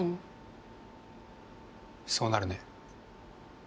そうなるね。